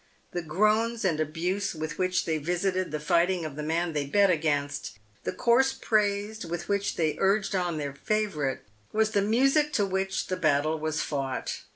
The groans and abuse with which they visited the fighting of the man they bet against — the coarse praise with which they urged on their favourite, was the music to which the battle was fought.